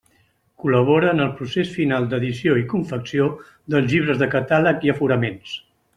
Col·labora en el procés final d'edició i confecció dels llibres de catàleg i aforaments.